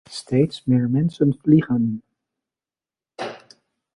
Steeds meer mensen vliegen.